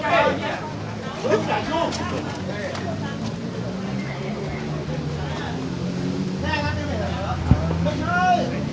ใจเย็นใจเย็นเฮ้ยมานี่นี่